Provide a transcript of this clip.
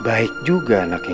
baik juga anak ini